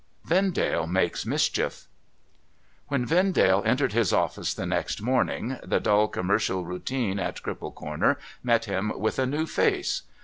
VEXDALE MAKES MISCHIEF When Vendale entered his office the next morning, the dull commercial routine at Cripple Corner met him with a new face.